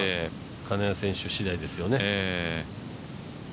金谷選手次第ですよね。